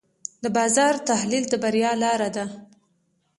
د بازار تحلیل د بریا لاره ده.